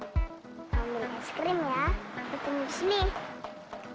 kamu minum es krim ya kita tinggal di sini